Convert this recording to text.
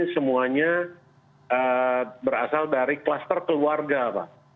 semuanya berasal dari kluster keluarga pak